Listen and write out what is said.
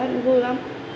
hòa hết cũng vui lắm